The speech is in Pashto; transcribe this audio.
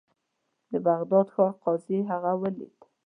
د بغداد ښار قاضي هغه ولید.